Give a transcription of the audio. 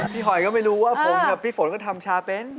หอยก็ไม่รู้ว่าผมกับพี่ฝนก็ทำชาเป็น